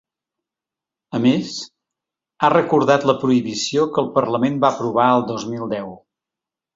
A més, ha recordat la prohibició que el parlament va aprovar el dos mil deu.